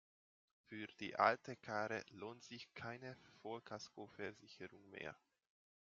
Für die alte Karre lohnt sich keine Vollkaskoversicherung mehr.